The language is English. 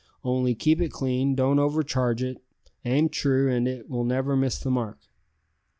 Only keep it clean, don't overcharge it, aim true, and it will never miss the mark."